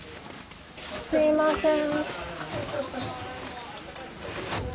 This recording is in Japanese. すいません。